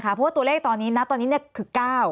เพราะว่าตัวเลขตอนนี้นะตอนนี้คือ๙